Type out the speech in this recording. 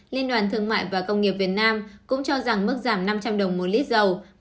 liên đoàn thương mại và công nghiệp việt nam cũng cho rằng mức giảm năm trăm linh đồng một lít dầu